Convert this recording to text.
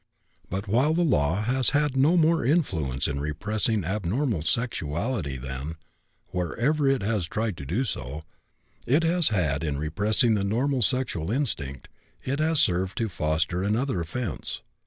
But, while the law has had no more influence in repressing abnormal sexuality than, wherever it has tried to do so, it has had in repressing the normal sexual instinct, it has served to foster another offense.